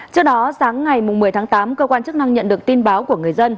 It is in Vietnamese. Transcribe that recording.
trước đó sáng ngày một mươi tháng tám cơ quan chức năng nhận được tin báo của người dân